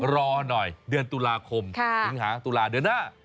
รอหน่อยเดือนตุลาคมสิงหาตุลาเดือนหน้า